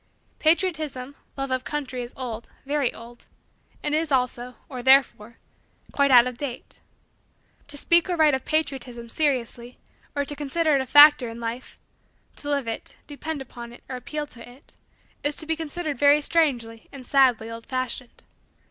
Patriotism, love of country, is old, very old, and is also or therefore quite out of date. To speak or write of patriotism, seriously, or to consider it a factor in life to live it, depend upon it, or appeal to it, is to be considered very strange and sadly old fashioned.